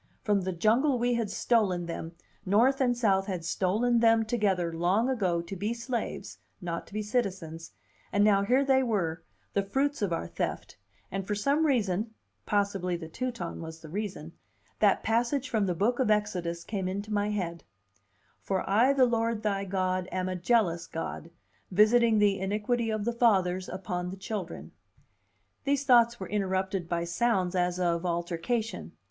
From the jungle we had stolen them, North and South had stolen them together, long ago, to be slaves, not to be citizens, and now here they were, the fruits of our theft; and for some reason (possibly the Teuton was the reason) that passage from the Book of Exodus came into my head: "For I the Lord thy God am a jealous God, visiting the iniquity of the fathers upon the children." These thoughts were interrupted by sounds as of altercation.